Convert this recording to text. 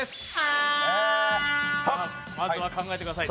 まずは考えてください。